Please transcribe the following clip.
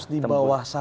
di bawah satu